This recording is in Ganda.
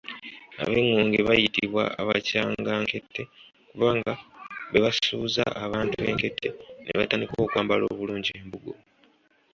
Ab'engonge bayitibwa 'abakyangankete' kubanga be basuuza abantu enkete ne batandika okwambala obulungi embugo.